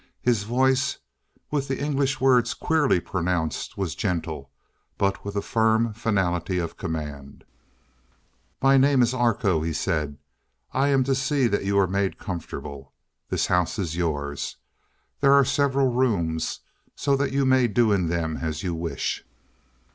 His voice, with the English words queerly pronounced, was gentle, but with a firm finality of command. "My name is Arkoh," he said. "I am to see that you are made comfortable. This house is yours. There are several rooms, so that you may do in them as you wish."